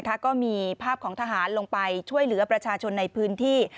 ก็มีภาพของทหารลงไปช่วยเหลือประชาชนในพื้นที่